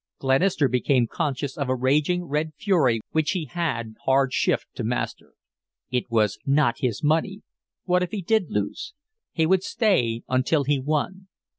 Glenister became conscious of a raging, red fury which he had hard shift to master. It was not his money what if he did lose? He would stay until he won.